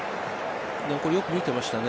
これ、よく見てましたね。